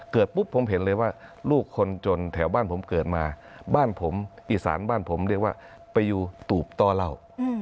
เกิดปุ๊บผมเห็นเลยว่าลูกคนจนแถวบ้านผมเกิดมาบ้านผมอีสานบ้านผมเรียกว่าไปอยู่ตูบต้อเล่า